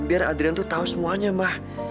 biar adrian tuh tahu semuanya mah